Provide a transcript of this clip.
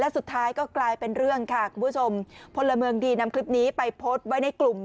สุดท้ายก็กลายเป็นเรื่องค่ะคุณผู้ชมพลเมืองดีนำคลิปนี้ไปโพสต์ไว้ในกลุ่ม